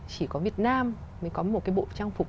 chỉ có việt nam mới có một cái bộ trang phục